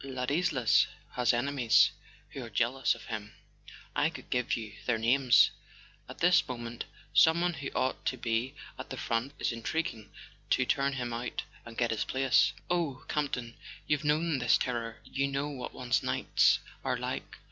"Ladislas has enemies who are jealous of him (I could give you their names); at this moment someone who ought to be at the front is intriguing to turn him out and get his place. Oh, Camp ton, you've known this terror—you know what one's nights are like